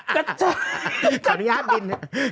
ข่าวนี้ห้าบิน